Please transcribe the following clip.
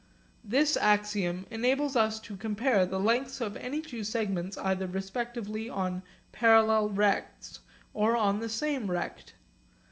This axiom enables us to compare the lengths of any two segments either respectively on parallel rects or on the same rect.